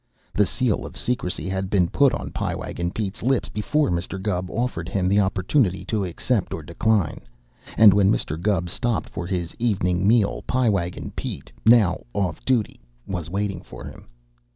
The seal of secrecy had been put on Pie Wagon Pete's lips before Mr. Gubb offered him the opportunity to accept or decline; and when Mr. Gubb stopped for his evening meal, Pie Wagon Pete now off duty was waiting for him.